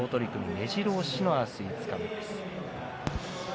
めじろ押しの明日、五日目です。